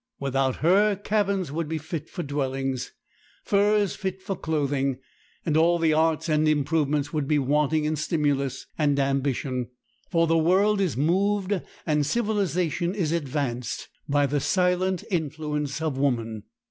Without her, cabins would be fit for dwellings, furs fit for clothing, and all the arts and improvements would be wanting in stimulus and ambition; for the world is moved and civilization is advanced by the silent influence of woman.